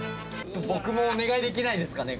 僕もお願いできないですかね？